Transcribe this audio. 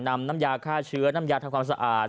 น้ำยาฆ่าเชื้อน้ำยาทำความสะอาด